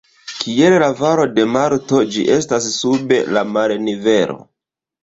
Kiel la Valo de Morto, ĝi estas sub la marnivelo.